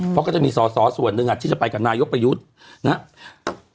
เพราะก็จะมีสอสอส่วนหนึ่งที่จะไปกับนายกประยุทธ์นะครับ